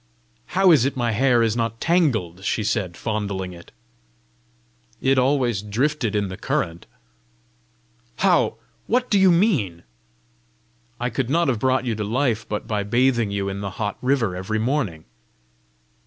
"How is it my hair is not tangled?" she said, fondling it. "It always drifted in the current." "How? What do you mean?" "I could not have brought you to life but by bathing you in the hot river every morning."